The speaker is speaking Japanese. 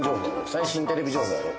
最新テレビ情報やろ？